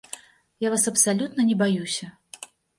Я вас абсалютна не баюся.